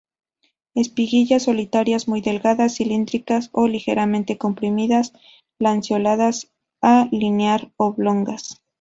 Espiguillas solitarias, muy delgadas, cilíndricas o ligeramente comprimidas, lanceoladas a linear-oblongas.